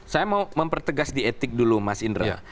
saya mau mempertegas di etik dulu mas indra